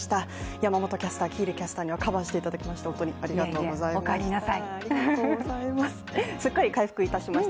山本キャスター、喜入キャスターにはカバーししていただきました、ありがとうございました。